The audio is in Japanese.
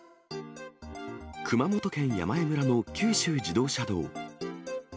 熊本県山江村の九州自動車道。